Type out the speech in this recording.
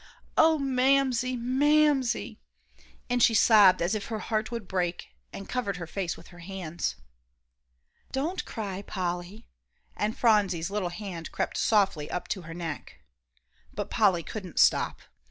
Oh, Mamsie! Mamsie!" and she sobbed as if her heart would break, and covered her face with her hands. "Don't cry, Polly," and Phronsie's little hand crept softly up to her neck. But Polly couldn't stop.